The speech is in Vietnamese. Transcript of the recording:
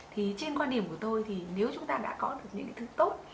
thì trên quan điểm của tôi thì nếu chúng ta đã có được những cái thứ tốt